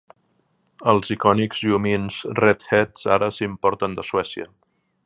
Els icònics llumins Redheads ara s'importen de Suècia.